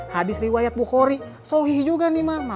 hadis riwayat bukhari sohi juga nih ma